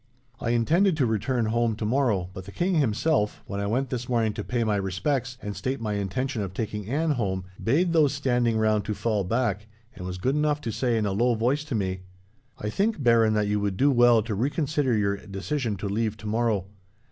I intended to return home tomorrow, but the king himself, when I went this morning to pay my respects, and state my intention of taking Anne home, bade those standing round to fall back, and was good enough to say in a low voice to me: "'I think, Baron, that you would do well to reconsider your decision to leave tomorrow.